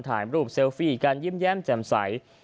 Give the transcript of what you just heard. ถ่ายรูปเซลฟี่กันยิ้มแย้มแจ่มใส